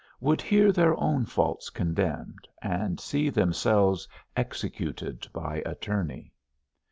should hear their own faults condemned, and see themselves executed by attorney?